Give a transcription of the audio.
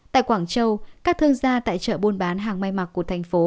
tại quảng châu các thương gia tại chợ buôn bán hàng may mặc của thành phố